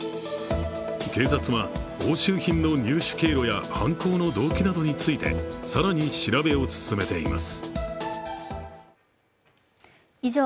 警察は押収品の入手経路や犯行の動機などについて更に調べを進めています。